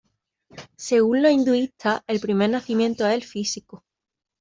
Según los hinduistas, el primer nacimiento es el físico.